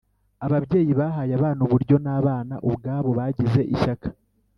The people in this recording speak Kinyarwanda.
ababyeyi bahaye abana uburyo, n’abana ubwabo bagize ishyaka